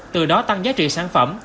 từ đó tăng giá trị sản phẩm